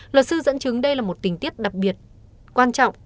luật sư dẫn chứng đây là một tình tiết đặc biệt quan trọng